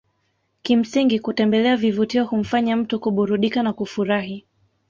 Kimsingi kutembelea vivutio humfanya mtu kuburudika na kufurahi